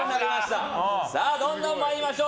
どんどん参りましょう。